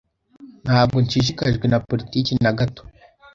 Ntabwo nshishikajwe na politiki na gato